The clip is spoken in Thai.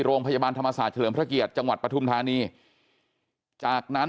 โรงพยาบาลธรรมศาสตร์เฉลิมพระเกียรติจังหวัดปฐุมธานีจากนั้น